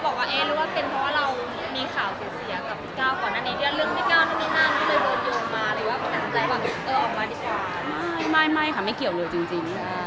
โดยค่ะนอกจากของประเด็นหลักที่ปีพูดนะ